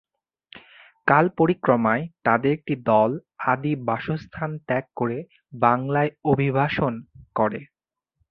কাল পরিক্রমায় তাদের একটি দল আদি বাসস্থান ত্যাগ করে বাংলায় অভিবাসন করে।